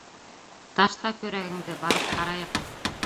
Ташта көрәгеңде, барып ҡарайыҡ...